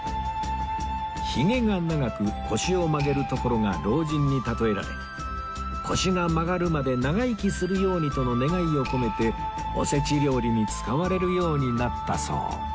ひげが長く腰を曲げるところが老人に例えられ腰が曲がるまで長生きするようにとの願いを込めてお節料理に使われるようになったそう